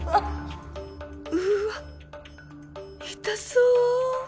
うわ痛そう。